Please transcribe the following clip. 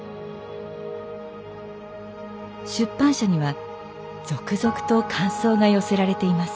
出版社には続々と感想が寄せられています。